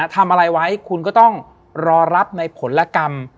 ทำอะไรไว้คุณก็ต้องรอรับในผลกรรม